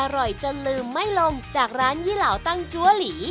อร่อยจนลืมไม่ลงจากร้านยี่เหล่าตั้งจัวหลี